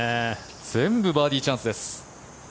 全部バーディーチャンスです。